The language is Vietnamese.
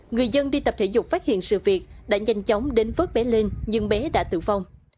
người dân đi tập thể dục phát hiện sự việc đã nhanh chóng đến vớt bé lên nhưng bé đã tử vong